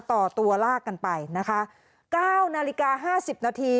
ต่อตัวลากกันไปนะคะเก้านาฬิกาห้าสิบนาที